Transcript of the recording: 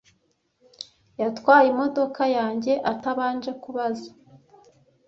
Yatwaye imodoka yanjye atabanje kubaza.